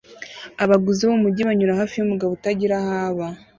Abaguzi bo mumujyi banyura hafi yumugabo utagira aho aba